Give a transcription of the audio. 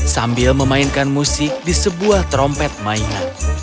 sambil memainkan musik di sebuah trompet mainan